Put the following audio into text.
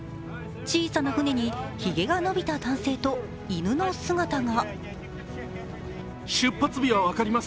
小さな船にひげが伸びた男性と犬の姿が。